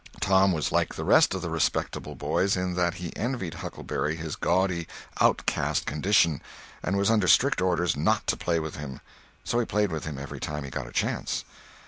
Tom was like the rest of the respectable boys, in that he envied Huckleberry his gaudy outcast condition, and was under strict orders not to play with him. So he played with him every time he got a chance.